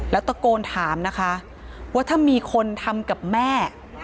แล้วตะโกนถามนะคะว่าถ้ามีคนทำกับแม่